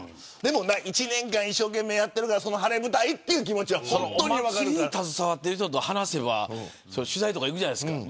１年間、一生懸命やってるからその晴れ舞台という気持ちはお祭りに携わってる人と話せば取材とか行くじゃないですか。